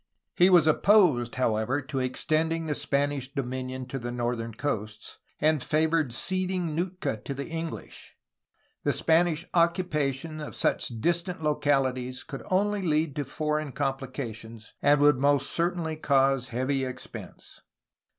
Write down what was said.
He was opposed, however, to extending the Spanish dominion to the northern coasts, and favored ceding Nootka to the English; the Spanish occupation of such distant localities could only lead to foreign complications, and would most certainly cause heavy expense.